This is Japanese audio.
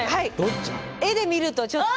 絵で見るとちょっと。